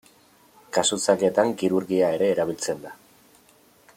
Kasu zailetan kirurgia ere erabiltzen da.